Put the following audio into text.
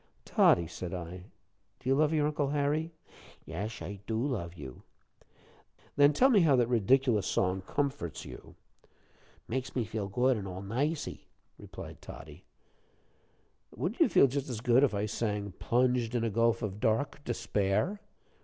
"Toddie," said I, "do you love your Uncle Harry?" "Esh, I do love you." "Then tell me how that ridiculous song comforts you?" "Makes me feel good, an' all nicey," replied Toddie. "Wouldn't you feel just as good if I sang, 'Plunged in a gulf of dark despair?'"